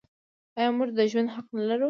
آیا موږ د ژوند حق نلرو؟